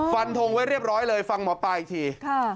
ฟันทงไว้เรียบร้อยเลยฟังหมอปลาอีกที